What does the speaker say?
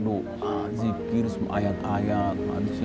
doa zikir semua ayat ayat